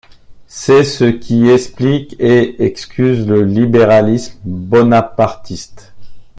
C’est ce qui explique et excuse le libéralisme bonapartiste.